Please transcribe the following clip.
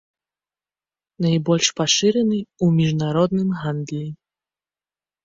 Найбольш пашыраны ў міжнародным гандлі.